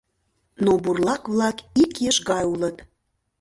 Но бурлак-влак ик еш гай улыт.